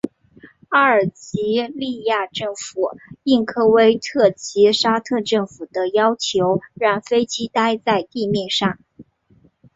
阿尔及利亚政府应科威特及沙特政府的要求让飞机待在地面上。